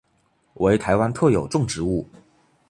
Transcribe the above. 为台湾特有种植物。